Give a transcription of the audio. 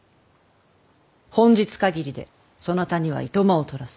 本日限りでそなたには暇をとらす。